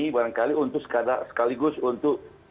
barangkali untuk sekaligus untuk